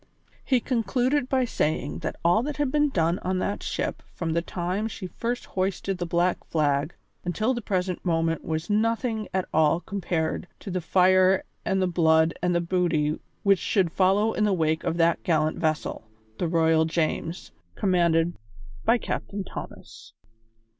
He concluded by saying that all that had been done on that ship from the time she first hoisted the black flag until the present moment was nothing at all compared to the fire and the blood and the booty which should follow in the wake of that gallant vessel, the Royal James, commanded by Captain Thomas.